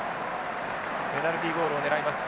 ペナルティゴールを狙います。